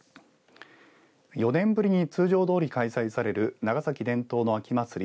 ４年ぶりに通常どおり開催される長崎県の秋祭り